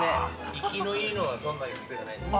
◆いきのいいのは、そんなに癖がないんですよ。